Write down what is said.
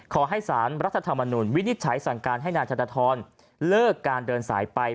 ขอให้สารรัฐธรรมนุนวินิจฉัยสั่งการให้นายธนทรเลิกการเดินสายไป